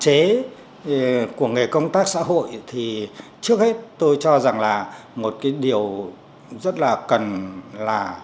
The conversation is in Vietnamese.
cơ chế của nghề công tác xã hội thì trước hết tôi cho rằng là một cái điều rất là cần là